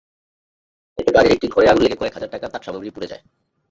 এতে বাড়ির একটি ঘরে আগুন লেগে কয়েক হাজার টাকার তাঁতসামগ্রী পুড়ে যায়।